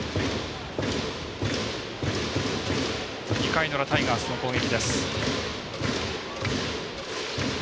２回の裏タイガースの攻撃。